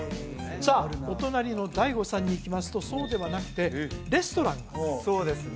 さあお隣のＤＡＩＧＯさんにいきますとそうではなくてレストランそうですね